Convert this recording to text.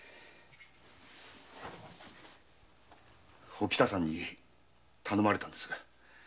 おきたさんに頼まれたんです。